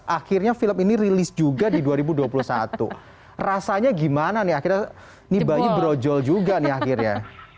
akhirnya film ini rilis juga di dua ribu dua puluh satu rasanya gimana nih akhirnya nih bayi brojol juga nih akhirnya